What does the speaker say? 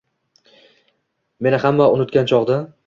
Meni hamma unutgan chog’da